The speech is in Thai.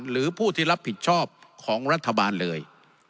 หรือผู้ที่รับผิดชอบของรัฐบาลเลย